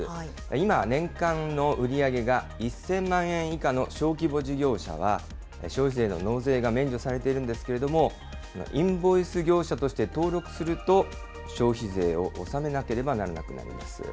今、年間の売り上げが１０００万円以下の小規模事業者は、消費税の納税が免除されているんですけれども、インボイス業者として登録すると、消費税を納めなければならなくなります。